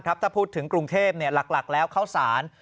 ถ้าพูดถึงกรุงเทพหลักแล้วเข้าสาร